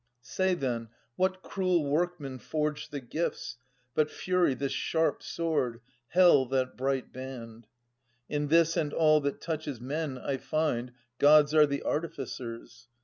Say then what cruel workman forged the gifts, But Fury this sharp sword. Hell that bright band? In this, and all that touches men, I find, Gods are the artificers.